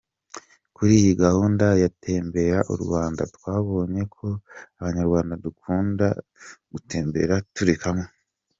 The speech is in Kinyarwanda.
‘Kuri iyi gahunda ya Tembera u Rwanda, twabonye ko abanyarwanda dukunda gutembera turi hamwe.